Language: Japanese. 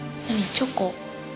チョコ？